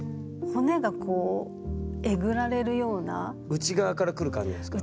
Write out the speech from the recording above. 内側からくる感じですか？